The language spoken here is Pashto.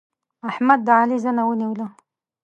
احمد د علي زنه ونيوله.